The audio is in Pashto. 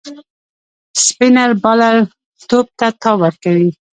سپينر بالر توپ ته تاو ورکوي.